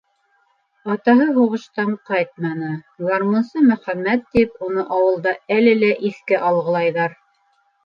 Атаһы һуғыштан ҡайтманы, «гармунсы Мөхәммәт» тип, уны ауылда әле лә иҫкә алғылайҙар.